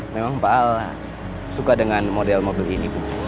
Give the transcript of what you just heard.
memang pak al suka dengan model mobil ini bu